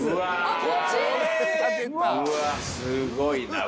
うわすごいな。